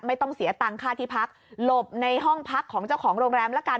ไม่ต้องเสียตังค่าที่พักหลบในห้องพักของเจ้าของโรงแรมละกัน